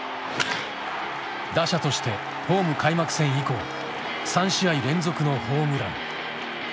打者としてホーム開幕戦以降３試合連続のホームラン。